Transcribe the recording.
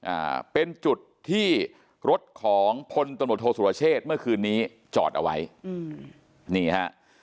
อ่าเป็นจุดที่รถของพลตำรวจโทษสุรเชษฐ์เมื่อคืนนี้จอดเอาไว้อืมนี่ฮะ